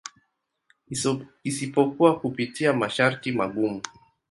Isipokuwa kupitia masharti magumu.